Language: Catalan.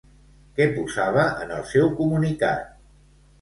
Què posava en el seu comunicat?